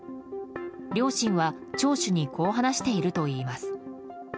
両親は、聴取にこう話しているといいます。